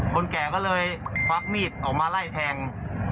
คนแก่ก็เลยควักมีดออกมาไล่แทง